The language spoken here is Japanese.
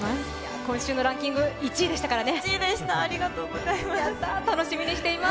今週のランキング１位でしたからね。